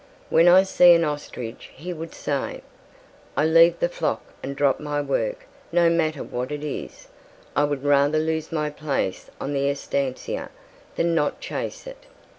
"When I see an ostrich," he would say, "I leave the flock and drop my work no matter what it is. I would rather lose my place on the estancia than not chase it."